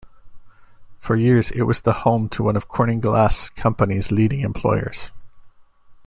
For years it was the home to one of Corning Glass Companies leading employers.